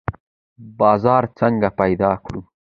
بازار څنګه پیدا کړو؟